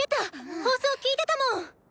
放送聞いてたもん！